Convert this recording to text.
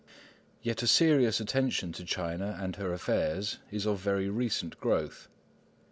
Yet a serious attention to China and her affairs is of very recent growth.